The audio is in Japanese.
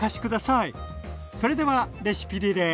それではレシピリレー。